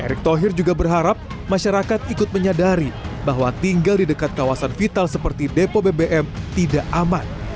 erick thohir juga berharap masyarakat ikut menyadari bahwa tinggal di dekat kawasan vital seperti depo bbm tidak aman